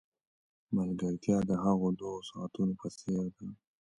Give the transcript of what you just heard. ملګرتیا د هغو دوو ساعتونو په څېر ده.